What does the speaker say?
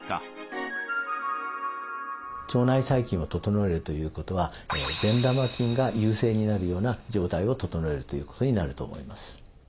腸内細菌を整えるということは善玉菌が優勢になるような状態を整えるということになると思います。